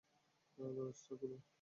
দরজাটা খুলুন না?